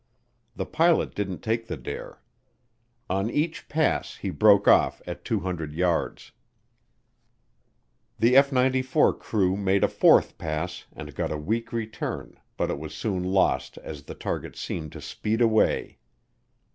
The pilot didn't take the dare. On each pass he broke off at 200 yards. The F 94 crew made a fourth pass and got a weak return, but it was soon lost as the target seemed to speed away.